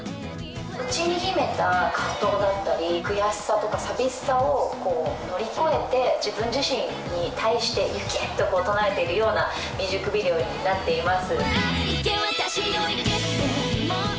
内に秘めた葛藤だったり、悔しさとか寂しさを乗り越えて、自分自身に対して、往けー！と唱えているようなミュージックビデオになっています。